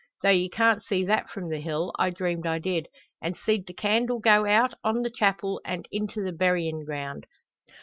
Though ye can't see that from the hill, I dreamed I did; an' seed the candle go on to the chapel an' into the buryin' ground.